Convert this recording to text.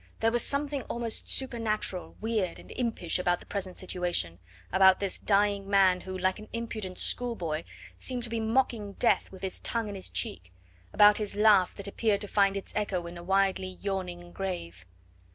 There was something almost supernatural, weird, and impish about the present situation, about this dying man who, like an impudent schoolboy, seemed to be mocking Death with his tongue in his cheek, about his laugh that appeared to find its echo in a widely yawning grave.